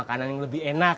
ada makanan yang lebih enak